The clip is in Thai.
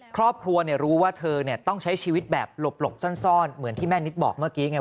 ครอบครัวรู้ว่าเธอต้องใช้ชีวิตแบบหลบซ่อนเหมือนที่แม่นิดบอกเมื่อกี้ไง